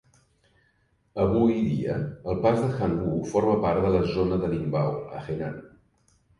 Avui dia, el pas de Hangu forma part de la zona de Lingbao, a Henan.